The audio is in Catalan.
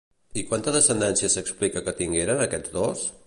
I quanta descendència s'explica que tingueren aquests dos?